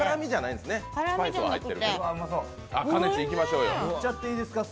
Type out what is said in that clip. いっちゃっていいですか？